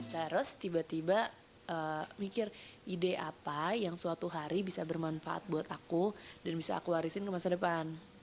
terus tiba tiba mikir ide apa yang suatu hari bisa bermanfaat buat aku dan bisa aku warisin ke masa depan